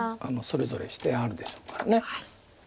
それぞれしてあるでしょうから。